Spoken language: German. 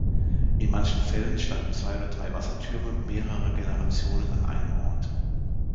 In manchen Fällen standen zwei oder drei Wassertürme mehrerer Generationen an einem Ort.